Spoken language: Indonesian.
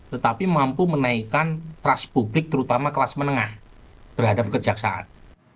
tetapi mampu menaikkan trust publik terutama kelas menengah terhadap kejaksaan